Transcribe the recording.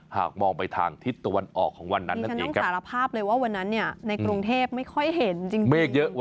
หากมองไปทางทิศตะวันออกของวันนั้นนั่นเองครับ